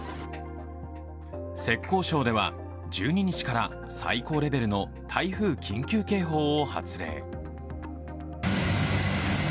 浙江省では１２日から最高レベルの台風緊急警報を発令。